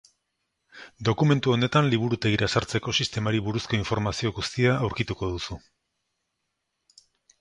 Dokumentu honetan Liburutegira sartzeko sistemari buruzko informazio guztia aurkituko duzu.